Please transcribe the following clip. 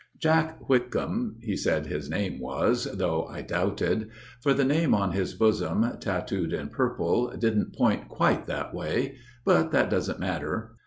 Jack Whitcomb he said his name was, though I doubted. For the name on his bosom, tattooed in purple, Didn't point quite that way. But that doesn't matter.